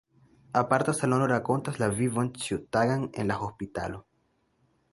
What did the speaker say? Aparta salono rakontas la vivon ĉiutagan en la hospitalo.